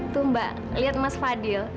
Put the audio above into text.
tuh mbak lihat mas fadil